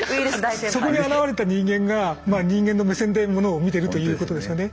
そこに現れた人間が人間の目線でものを見てるということですよね。